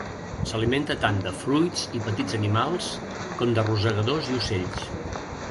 S'alimenta tant de fruits i petits animals com de rosegadors i ocells.